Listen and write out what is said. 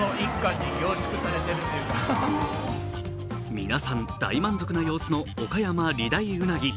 皆さん、大満足な様子のおかやま理大うなぎ。